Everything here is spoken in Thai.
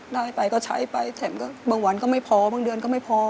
ได้ไปก็ใช้ไปแถมก็บางวันก็ไม่พอบางเดือนก็ไม่พอ